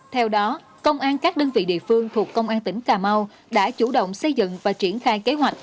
theo đó công an các đơn vị địa phương thuộc công an tỉnh cà mau đã chủ động xây dựng và triển khai kế hoạch